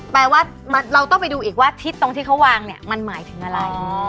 แปลว่าเราต้องไปดูอีกว่าทิศตรงที่เขาวางเนี่ยมันหมายถึงอะไร